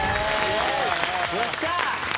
よっしゃ！